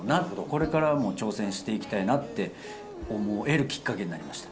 これからも挑戦していきたいなって思えるきっかけになりました。